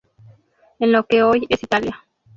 En lo que hoy es Italia.